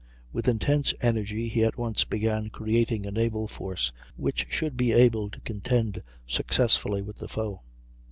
With intense energy he at once began creating a naval force which should be able to contend successfully with the foe.